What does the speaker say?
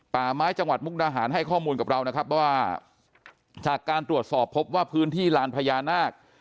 ป่าไม้จังหวัดมุกดาหารให้ข้อมูลกับเรานะครับว่าจากการตรวจสอบพบว่าพื้นที่ลานพญานาค